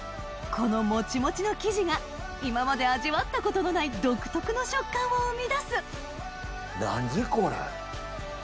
このもちもちの生地が今まで味わったことのない独特の食感を生み出す何これ。